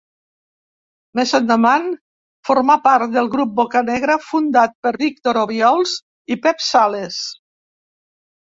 Més endavant formà part del grup Bocanegra, fundat per Víctor Obiols i Pep Sales.